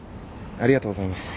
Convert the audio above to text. ありがとうございます。